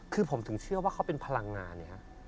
คือผมถึงเชื่อว่าเขาเป็นพลังงาน